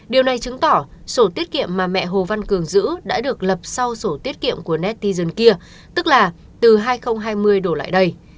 điều này chứng tỏ sổ tiết kiệm mà mẹ hồ văn cường giữ đã được lập sau sổ tiết kiệm của nettison kia tức là từ hai nghìn hai mươi đổ lại đây